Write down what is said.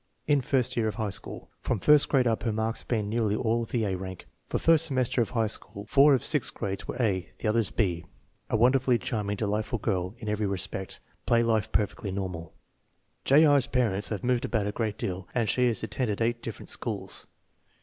In first year of high school. From first grade up her marks have been nearly all of the A rank. For first semester of high school four of six grades were A, the others B. A wonderfully charming, delightful girl in every respect. Play life perfectly normal. J. R.'s parents have moved about a great deal and she has at tended eight different schools.